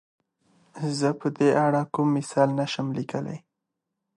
زۀ په دې اړه کوم مثال نه شم ليکلی.